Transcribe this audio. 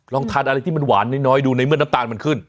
ลองทานอะไรที่มันหวานน้อยดูในเมื่อน้ำตาลมันขึ้น